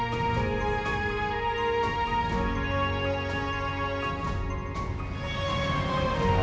gak bisa pikir ya